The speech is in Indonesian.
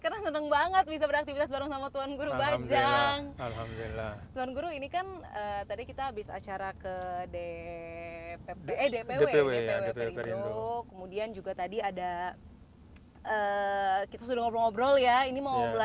ke aktifitas selanjutnya